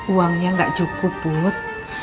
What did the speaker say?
uangnya gak cukup put